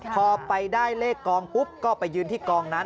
พอไปได้เลขกองปุ๊บก็ไปยืนที่กองนั้น